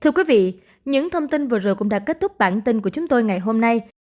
thưa quý vị những thông tin vừa rồi cũng đã kết thúc bản tin của chúng tôi ngày hôm nay